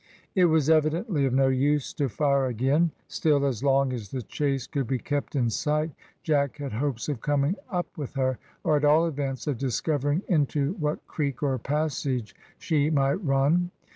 It was evidently of no use to fire again. Still as long as the chase could be kept in sight Jack had hopes of coming up with her, or at all events of discovering into what creek or passage she might run.